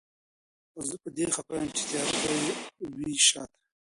خو زه په دې خفه يم چي تياره به يې وي شاته